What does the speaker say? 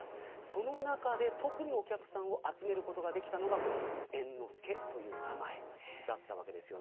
その中で特にお客さんを集めることができたのが猿之助という名前だったわけです。